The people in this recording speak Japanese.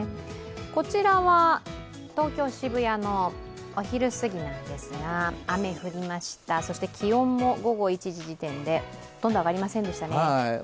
こちらは東京・渋谷のお昼すぎなんですが、雨降りました、そして気温も午後１時時点でほとんど上がりませんでしたね。